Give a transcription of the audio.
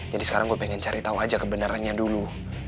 jadi sekarang gua pengen cari tau aja kebenarannya dulu